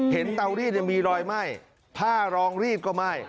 เตารีดมีรอยไหม้ผ้ารองรีดก็ไหม้